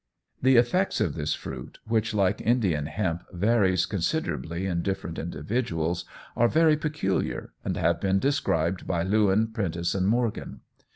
The effects of this fruit, which like Indian hemp varies considerably in different individuals, are very peculiar, and have been described by Lewin, Prentiss and Morgan.